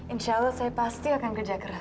insya allah saya pasti akan kerja keras